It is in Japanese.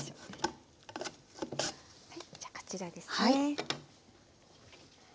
じゃあこちらですね。